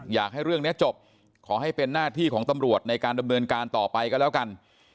อยากให้เรื่องนี้จบขอให้เป็นหน้าที่ของตำรวจในการดำเนินการต่อไปก็แล้วกัน